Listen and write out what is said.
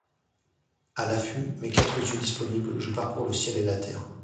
À l'affût, mes quatre yeux disponibles, je parcours le ciel et la terre.